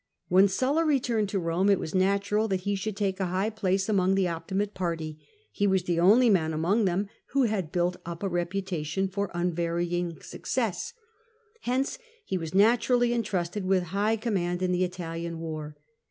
When Sulla returned to Eome, it was natural that lie should take a high place among the Optimate party : he was the only man among them who had built up a repu tation for unvarying success. Hence he was naturally entrusted with high command in the Italian war.